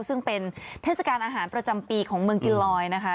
ซึ่งเป็นเทศกาลอาหารประจำปีของเมืองกิลอยนะคะ